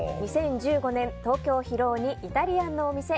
２０１５年、東京・広尾にイタリアンのお店